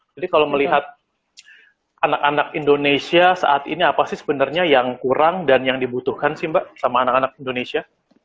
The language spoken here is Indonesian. jadi kalau melihat anak anak indonesia saat ini apa sih sebenarnya yang kurang dan yang dibutuhkan sih mbak sama anak anak indonesia